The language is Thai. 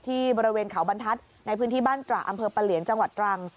ที่บริเวณเขาบรรทัศน์ในพื้นที่บ้านตระอำเภอปะเหลียนจังหวัดตรัง